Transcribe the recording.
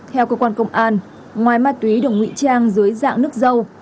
theo cơ quan công an ngoài ma túy được ngụy trang dưới dạng nước dâu